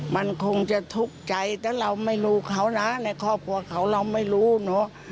มันคงจะทุกข์ใจแต่เราไม่รู้เขานะในครอบครัวเขาเราไม่รู้เนอะ